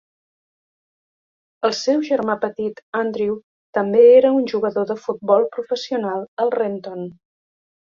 Els seu germà petit Andrew també era un jugador de futbol professional al Renton.